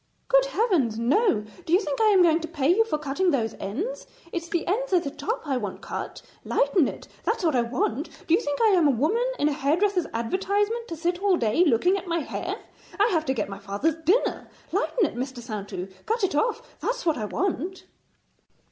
'Good Heavens, no! Do you think I am going to pay you for cutting those ends? It's the ends at the top I want cut. Lighten it; that's what I want. Do you think I am a woman in a hairdresser's advertisement to sit all day looking at my hair? I have to get my father's dinner. Lighten it, Mr. Saintou; cut it off; that's what I want.'